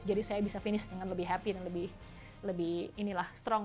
jadi saya bisa finish dengan lebih happy lebih strong